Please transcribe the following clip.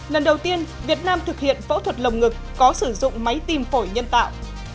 lần đầu tiên việt nam thực hiện phẫu thuật lồng ngực có sử dụng máy tim phổi nhân tạo